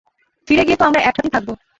ফিরে গিয়ে তো আমরা এক সাথেই থাকবো?